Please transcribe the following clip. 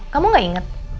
kamu gak inget